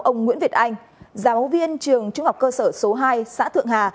ông nguyễn việt anh giáo viên trường trung học cơ sở số hai xã thượng hà